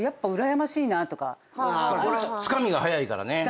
つかみが早いからね。